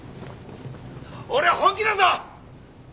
俺は本気だぞ！